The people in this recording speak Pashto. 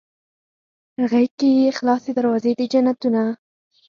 غیږ کې یې خلاصې دروازې د جنتونه